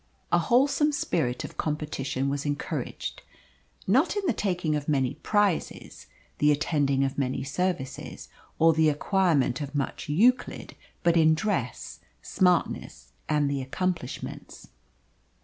A wholesome spirit of competition was encouraged, not in the taking of many prizes, the attending of many services, or the acquirement of much Euclid, but in dress, smartness, and the accomplishments.